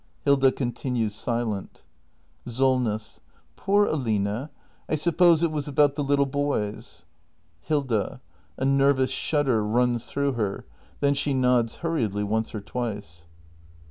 [Hilda continues silent. Solness. Poor Aline! I suppose it was about the little boys. Hilda. [A nervous shudder runs through her; then she nods hurriedly once or twice.